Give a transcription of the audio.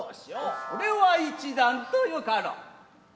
それは一段とよかろう。